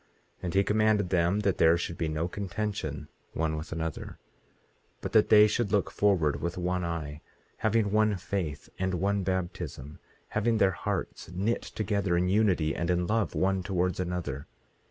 18:21 And he commanded them that there should be no contention one with another, but that they should look forward with one eye, having one faith and one baptism, having their hearts knit together in unity and in love one towards another.